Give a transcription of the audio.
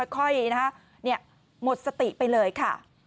ค่อยหมดสติไปเลยค่ะ